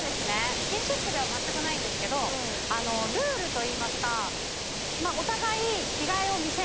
スキンシップではまったくないんですけどあのルールといいますか。